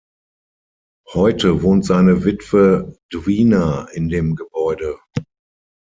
Heute wohnt seine Witwe Dwina in dem Gebäude.